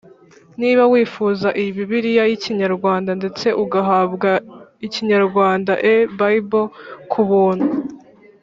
Niba wifuza iyi bibiliya y i kinyarwanda ndetse ugahabwa kinyarwanda e bible ku buntu